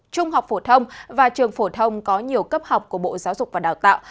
trung học phổ thông và trường phổ thông có nhiều cấp học của bộ giáo dục và đào tạo